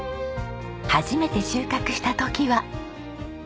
初めて収穫した時は。